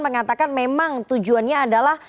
mengatakan memang tujuannya adalah